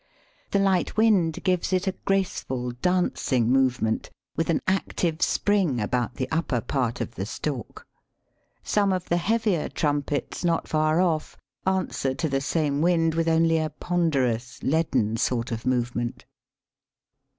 The light wind gives it a graceful, dancing movement, with an active spring about the upper part of the stalk. Some of the heavier trumpets not far off answer to the same wind with only a ponderous, leaden sort of movement.